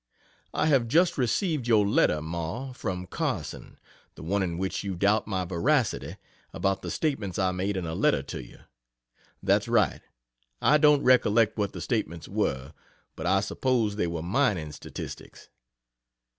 I have just received your letter, Ma, from Carson the one in which you doubt my veracity about the statements I made in a letter to you. That's right. I don't recollect what the statements were, but I suppose they were mining statistics.